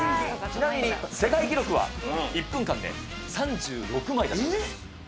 ちなみに世界記録は、１分間で３６枚だそうです。